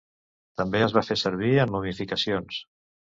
També es va fer servir en momificacions.